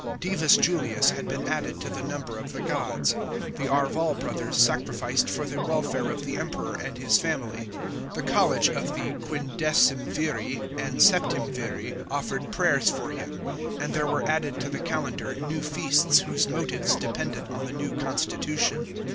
Divus Julius had been added to the number of the gods. The Arval brothers sacrificed for the welfare of the Emperor and his family ; the college of the quindecimviri and septemviii oifered prayers for him ; and there were added to the calendar new feasts whose motives depended on the new constitution.